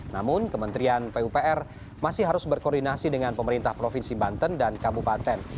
namun kementerian pupr masih harus berkoordinasi dengan pemerintah provinsi banten dan kabupaten